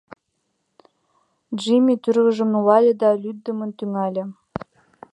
Джимми тӱрвыжым нулале да лӱддымын тӱҥале.